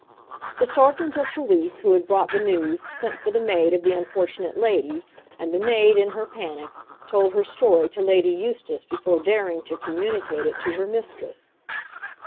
The sergeant of police who had brought the news sent for the maid of the unfortunate lady, and the maid, in her panic, told her story to Lady Eustace before daring to communicate it to her mistress.